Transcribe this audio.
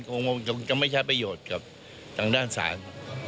คงจะไม่ใช้ประโยชน์กับทางด้านศาล